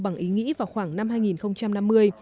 bằng ý nghĩ vào khoảng năm hai nghìn năm mươi